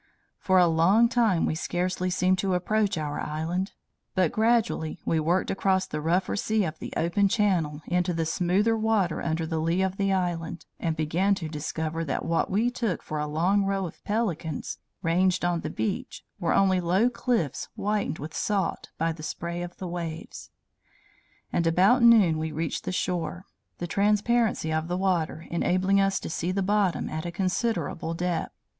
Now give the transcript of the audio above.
For a long time we scarcely seemed to approach our island, but gradually we worked across the rougher sea of the open channel, into the smoother water under the lee of the island, and began to discover that what we took for a long row of pelicans, ranged on the beach, were only low cliffs whitened with salt by the spray of the waves; and about noon we reached the shore, the transparency of the water enabling us to see the bottom at a considerable depth.